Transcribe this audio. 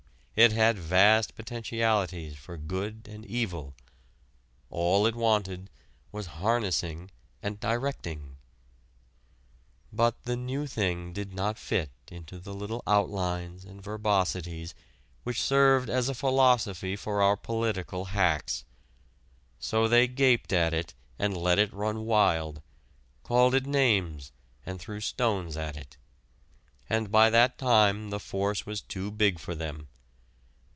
It had vast potentialities for good and evil all it wanted was harnessing and directing. But the new thing did not fit into the little outlines and verbosities which served as a philosophy for our political hacks. So they gaped at it and let it run wild, called it names, and threw stones at it. And by that time the force was too big for them.